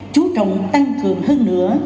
chú trọng tăng cường hơn nữa